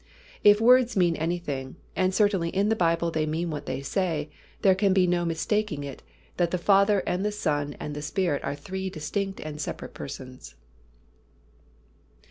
If words mean anything, and certainly in the Bible they mean what they say, there can be no mistaking it, that the Father and the Son and the Spirit are three distinct and separate Persons.